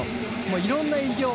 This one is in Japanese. いろんな偉業を。